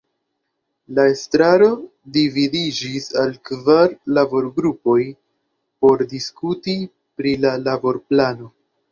La estraro dividiĝis al kvar laborgrupoj por diskuti pri la laborplano.